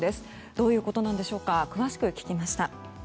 どういうことなんでしょうか詳しく聞きました。